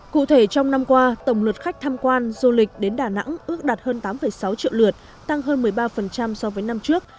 cụ thể trong năm qua tổng lượt khách tham quan du lịch đến đà nẵng ước đạt hơn tám sáu triệu lượt tăng hơn một mươi ba so với năm trước